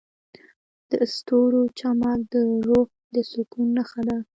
د ستورو چمک د روح د سکون نښه ده.